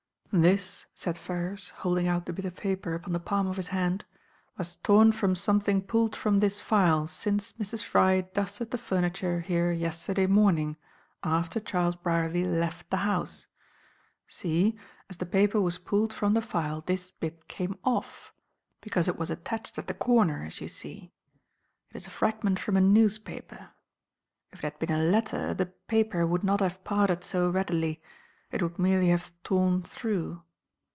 "This," said Ferrars, holding out the bit of paper upon the palm of his hand, "was torn from something pulled from this file since Mrs. Fry dusted the furniture here yesterday morning, after Charles Brierly left the house. See, as the paper was pulled from the file this bit came off, because it was attached at the corner, as you see. It is a fragment from a newspaper. If it had been a letter the paper would not have parted so readily; it would merely have torn through."